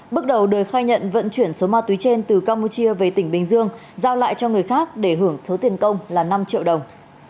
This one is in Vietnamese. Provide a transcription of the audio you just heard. bước đầu đời khai nhận vận chuyển số ma túy trên từ campuchia về tỉnh bình dương giao lại cho người khác để hưởng số tiền công là năm triệu đồng